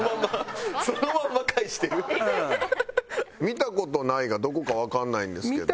「見たことない」がどこかわかんないんですけど。